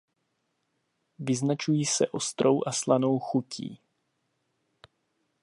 Vyznačují se ostrou a slanou chutí.